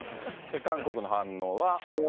韓国の反応は。